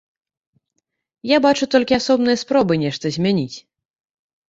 Я бачу толькі асобныя спробы нешта змяніць.